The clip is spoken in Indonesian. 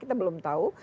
kita belum tahu